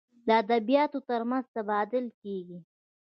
د ادبیاتو تر منځ تبادله کیږي.